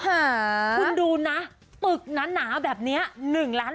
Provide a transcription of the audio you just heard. คุณดูนะปึกหนาแบบนี้๑ล้าน